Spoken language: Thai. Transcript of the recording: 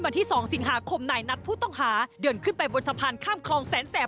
วันที่๒สิงหาคมนายนัดผู้ต้องหาเดินขึ้นไปบนสะพานข้ามคลองแสนแสบ